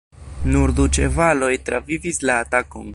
Nur du ĉevaloj travivis la atakon.